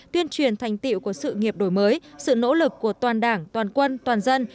tuyên truyền thành tiệu của sự nghiệp đổi mới sự nỗ lực của toàn đảng toàn quân toàn dân